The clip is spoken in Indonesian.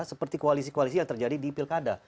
seperti koalisi koalisi yang terjadi di pilkada